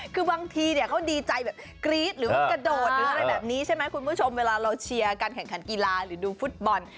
คือบางทีเนี่ยเขาดีใจแบบกรี๊ดหรือว่ากระโดดหรืออะไรแบบนี้ใช่ไหมคุณผู้ชมเวลาเราเชียร์การแข่งขันกีฬาหรือดูฟุตบอล